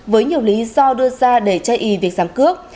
với nhiều lý do đưa ra để chây ý việc giảm cước